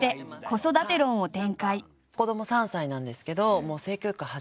子ども３歳なんですけどもう性教育始めてて。